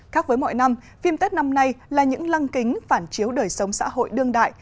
khác với mọi năm phim tết năm nay là những lăng kính phản chiếu đời sống xã hội đương đại